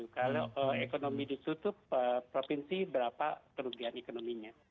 kalau ekonomi ditutup provinsi berapa kerugian ekonominya